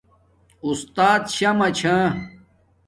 اُستات شمع چھا